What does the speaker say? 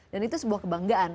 dan itu sebuah kebanggaan